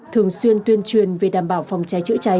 thường xuyên tuyên truyền về đảm bảo phòng cháy chữa cháy